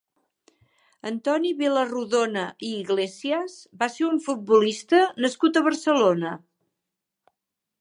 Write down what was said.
Antoni Vilarrodona i Iglesias va ser un futbolista nascut a Barcelona.